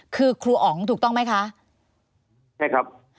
คือครูอ๋องถูกต้องไหมคะใช่ครับ